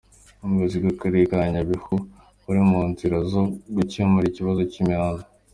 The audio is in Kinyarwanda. Ubuyobozi bw’Akarere ka Nyabihu buri mu nzira zo gukemura ikibazo cy’imihanda.